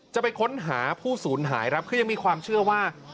จะไปค้นหาผู้สูญหายครับคือยังมีความเชื่อว่า